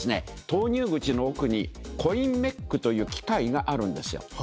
投入口の奥にコインメックという機械があるんですよ。